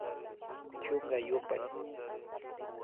Chunka yupay